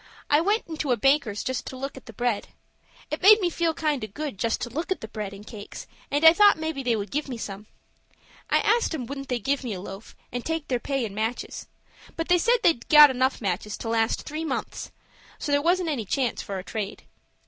I went into a baker's just to look at the bread. It made me feel kind o' good just to look at the bread and cakes, and I thought maybe they would give me some. I asked 'em wouldn't they give me a loaf, and take their pay in matches. But they said they'd got enough matches to last three months; so there wasn't any chance for a trade.